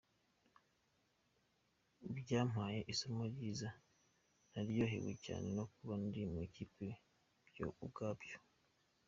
Byampaye isomo ryiza - naryohewe cyane no kuba ndi mu ikipe byo ubwabyo".